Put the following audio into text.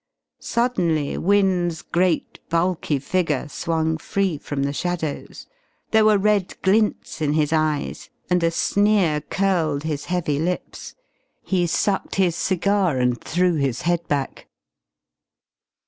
Suddenly Wynne's great, bulky figure swung free from the shadows. There were red glints in his eyes and a sneer curled his heavy lips. He sucked his cigar and threw his head back.